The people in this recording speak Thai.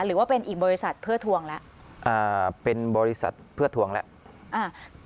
หรือว่าเป็นอีกบริษัทเพื่อทวงแล้วอ่าเป็นบริษัทเพื่อทวงแล้วอ่า